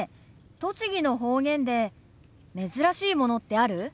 栃木の方言で珍しいものってある？